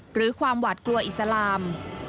หรือความหวาดกลัวอิสลาม